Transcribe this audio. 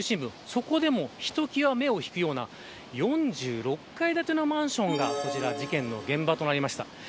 そこでもひときわ目を引くような４６階建のマンションが、こちら事件の現場となりました。